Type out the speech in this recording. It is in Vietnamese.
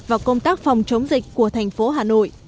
và công tác phòng chống dịch của thành phố hà nội